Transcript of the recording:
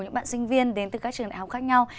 những bạn sinh viên đến từ các trường đại học khác nhau